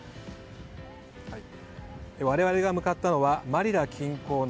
我々が向かったのはマニラ近郊の